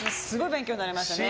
勉強になりましたね。